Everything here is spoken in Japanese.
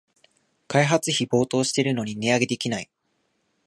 開発費暴騰してるのに値上げできない